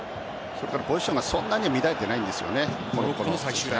ポジションがそんなに乱れてないんですよね。